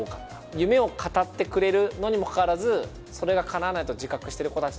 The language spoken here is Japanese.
夢を語ってくれるのにもかかわらずそれがかなわないと自覚してる子たちに出会った。